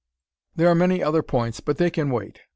There are many other points but they can wait.